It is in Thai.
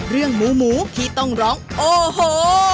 เรื่องหมูที่ต้องร้องโอ้โห